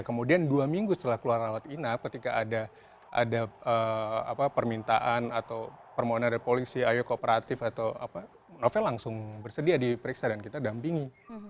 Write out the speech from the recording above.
kemudian dua minggu setelah keluar rawat inap ketika ada permintaan atau permohonan dari polisi ayo kooperatif atau apa novel langsung bersedia diperiksa dan kita dampingi